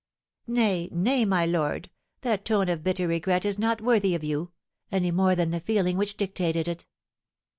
"Nay, nay, my lord, that tone of bitter regret is not worthy of you, any more than the feeling which dictated it."